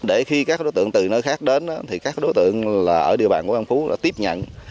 để khi các đối tượng từ nơi khác đến thì các đối tượng là ở địa bàn của an phú đã tiếp nhận